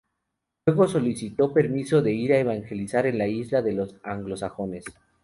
Luego solicitó permiso de ir a evangelizar en la isla de los anglosajones.